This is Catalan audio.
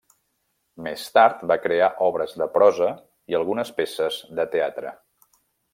Més tard va crear obres de prosa i algunes peces de teatre.